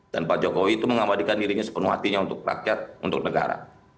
dan pak jokowi itu mengabadikan dirinya sepenuh hatinya untuk rakyat untuk negara